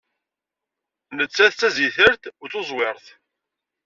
Nettat d tazitalt u tuẓwirt.